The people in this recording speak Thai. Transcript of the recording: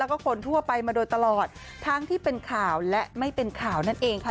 แล้วก็คนทั่วไปมาโดยตลอดทั้งที่เป็นข่าวและไม่เป็นข่าวนั่นเองค่ะ